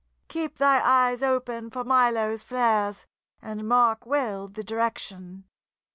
"Keep thy eyes open for Milo's flares, and mark well the direction.